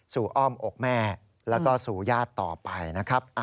อ้อมอกแม่แล้วก็สู่ญาติต่อไปนะครับ